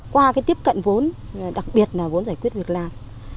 qua tiếp cận vốn đặc biệt là vốn giải quyết việc làm